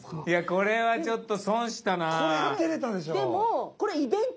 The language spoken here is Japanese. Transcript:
いやこれはちょっと損したな。